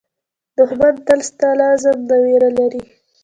دښمن تل ستا له عزم نه وېره لري